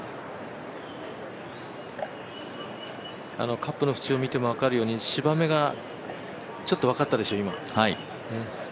カップの縁を見ても分かるように、芝目がちょっと分かったでしょう、今の。